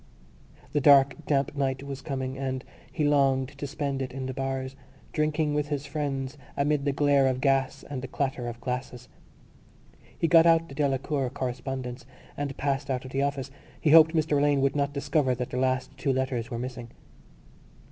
The dark damp night was coming and he longed to spend it in the bars, drinking with his friends amid the glare of gas and the clatter of glasses. He got out the Delacour correspondence and passed out of the office. He hoped Mr Alleyne would not discover that the last two letters were missing.